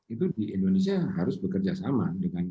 itu di indonesia harus bekerja sama dengan